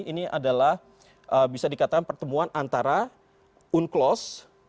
ini adalah bisa dikatakan pertemuan antara unclos